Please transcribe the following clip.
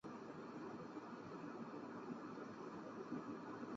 模式标本来自香港。